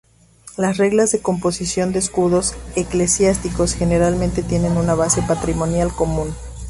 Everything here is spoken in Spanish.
Las reglas de composición de escudos eclesiásticos generalmente tienen una base patrimonial común.